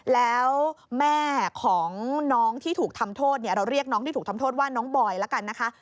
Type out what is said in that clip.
แล้วแม่ของน้องที่ถูกทำโทษเนี่ยเราเรียกน้องที่ถูกทำโทษว่าน้องบอยแล้วกันนะคะ